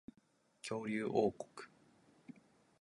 恐竜王国